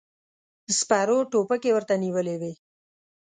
سپرو ټوپکې ورته نيولې وې.